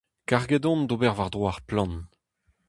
Karget on d'ober war-dro ar plant.